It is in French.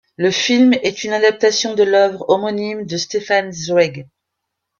Le film est une adaptation de l'œuvre homonyme de Stefan Zweig.